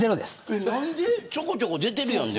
ちょこちょこ出てるやん。